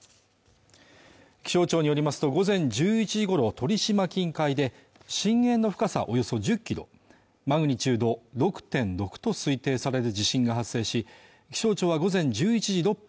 気象庁によりますと午前１１時ごろ鳥島近海で震源の深さおよそ１０キロマグニチュード６．６と推定される地震が発生し気象庁は午前１１時６分